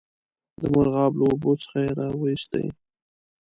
د مرغاب له اوبو څخه یې را وایستی.